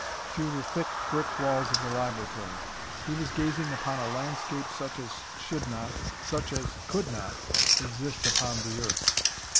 Through the thick brick walls of the laboratory. He was gazing upon a landscape such as should not such as could not exist upon the earth.